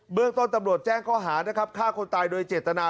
เรื่องต้นตำรวจแจ้งข้อหานะครับฆ่าคนตายโดยเจตนา